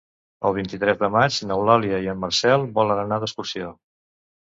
El vint-i-tres de maig n'Eulàlia i en Marcel volen anar d'excursió.